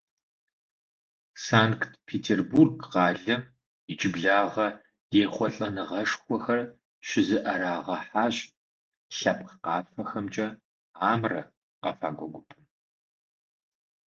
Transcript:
Санкт-Петербург къалэм иджыблагъэ ехъулӏэныгъэшхуэхэр щызыӏэрагъэхьащ лъэпкъ къафэхэмкӏэ «Амра» къэфакӏуэ гупым.